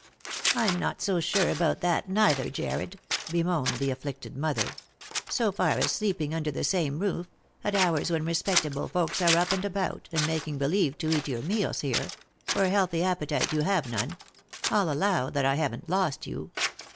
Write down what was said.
" I'm not so sure about that neither, Jarred," bemoaned the afflicted mother. " So far as sleeping under the same roof— at hours when respectable folks are up and about — and making believe to eat your meals here — for healthy appetite you have none— I'll allow that I haven't lost you.